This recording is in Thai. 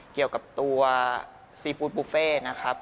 เกี่ยวกับตัวซีฟู้ดบุฟเฟ่นะครับ